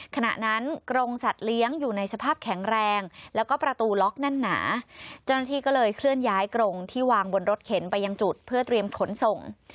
ขณะนั้นกรงสัตว์เลี้ยงอยู่ในสภาพแข็งแรงแล้วก็ประตูล็อกแน่นหนาเจ้าหน้าที่ก็เลยเคลื่อนย้ายกรงที่วางบนรถเข็นไปยังจุดเพื่อเตรียมขนส่ง